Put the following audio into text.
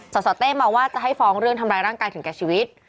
สสเต้เมาว่าจะให้ฟ้องเรื่องทำร้ายร่างกายถึงแก่ชีวิต